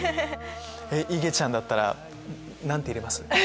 いげちゃんだったら何て入れます？